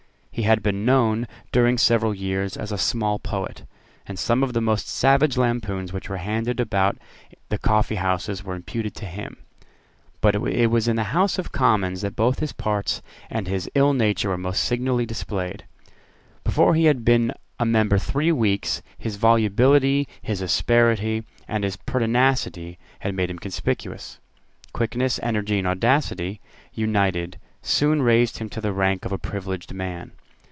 He had been known, during several years, as a small poet; and some of the most savage lampoons which were handed about the coffeehouses were imputed to him. But it was in the House of Commons that both his parts and his illnature were most signally displayed. Before he had been a member three weeks, his volubility, his asperity, and his pertinacity had made him conspicuous. Quickness, energy, and audacity, united, soon raised him to the rank of a privileged man.